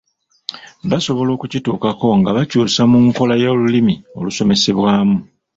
Basobola okukituukako nga bakyusa mu nkola y’olulimi olusomesezebwamu.